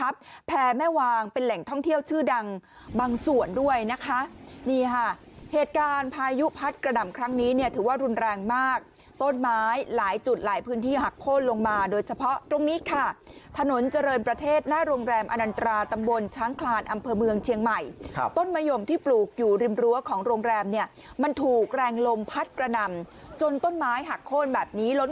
แพร่แม่วางเป็นแหล่งท่องเที่ยวชื่อดังบางส่วนด้วยนะคะนี่ค่ะเหตุการณ์พายุพัดกระหน่ำครั้งนี้เนี่ยถือว่ารุนแรงมากต้นไม้หลายจุดหลายพื้นที่หักโค้นลงมาโดยเฉพาะตรงนี้ค่ะถนนเจริญประเทศหน้าโรงแรมอนันตราตำบลช้างคลานอำเภอเมืองเชียงใหม่ครับต้นมะยมที่ปลูกอยู่ริมรั้วของโรงแรมเนี่ยมันถูกแรงลมพัดกระหน่ำจนต้นไม้หักโค้นแบบนี้ล้น